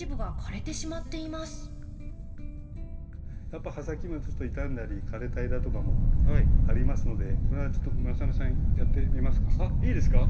やっぱ葉先もちょっと傷んだり枯れた枝とかもありますのでこれはちょっとあっいいですか？